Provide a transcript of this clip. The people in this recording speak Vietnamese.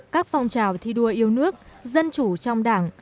các phong trào thi đua yêu nước dân chủ trong đảng